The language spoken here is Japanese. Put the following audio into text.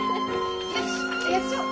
よしやっちゃおう！